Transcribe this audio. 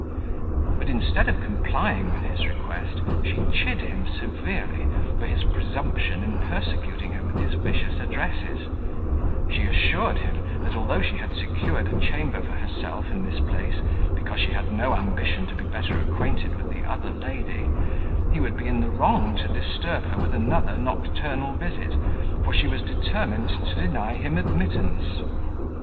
But, instead of complying with his request, she chid him severely for his presumption in persecuting her with his vicious addresses: she assured him, that although she had secured a chamber for herself in this place, because she had no ambition to be better acquainted with the other lady, he would be in the wrong to disturb her with another nocturnal visit, for she was determined to deny him admittance.